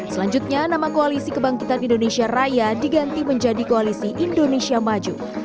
selanjutnya nama koalisi kebangkitan indonesia raya diganti menjadi koalisi indonesia maju